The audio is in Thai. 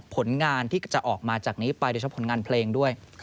ผลงานที่จะออกมาจากนี้ไปโดยเฉพาะผลงานเพลงด้วย